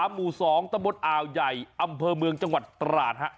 หมู่๒ตะบนอ่าวใหญ่อำเภอเมืองจังหวัดตราด